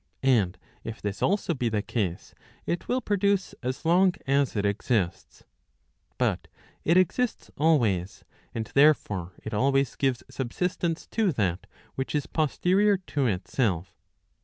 And 'if this also be the case, it will produce as long as it exists. But it exists always, and therefore it always gives subsistence to that which is posterior to itself.